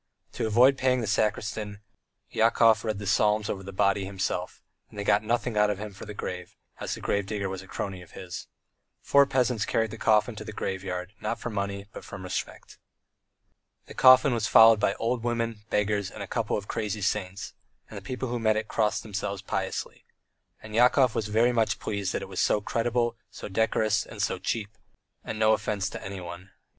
To avoid paying the sacristan, Yakov read the psalms over the body himself, and they got nothing out of him for the grave, as the grave digger was a crony of his. Four peasants carried the coffin to the graveyard, not for money, but from respect. The coffin was followed by old women, beggars, and a couple of crazy saints, and the people who met it crossed themselves piously. ... And Yakov was very much pleased that it was so creditable, so decorous, and so cheap, and no offence to anyone.